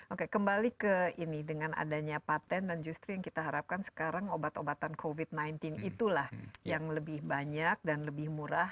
oke kembali ke ini dengan adanya patent dan justru yang kita harapkan sekarang obat obatan covid sembilan belas itulah yang lebih banyak dan lebih murah